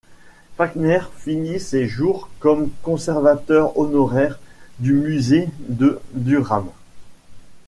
Falkner finit ses jours comme conservateur honoraire du musée de Durham.